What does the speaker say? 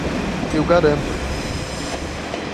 Eu garanto